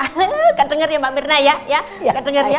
hah gak denger ya mbak mirna ya